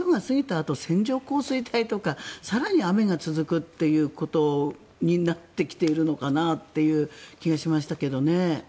あと線状降水帯とか更に雨が続くということになってきているのかなっていう気がしましたけどね。